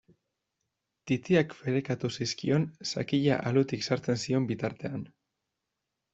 Titiak ferekatu zizkion sakila alutik sartzen zion bitartean.